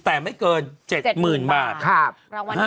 แต่ไม่เกิน๗หมื่นบาท